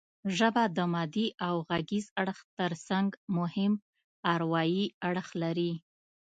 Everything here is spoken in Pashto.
ژبه د مادي او غږیز اړخ ترڅنګ مهم اروايي اړخ لري